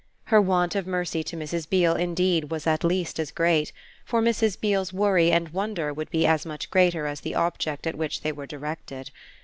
Her want of mercy to Mrs. Beale indeed was at least as great; for Mrs. Beale's worry and wonder would be as much greater as the object at which they were directed.